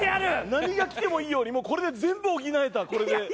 何がきてもいいようにもうこれで全部補えたこれで。